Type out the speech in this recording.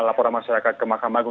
laporan masyarakat ke mahkamah agung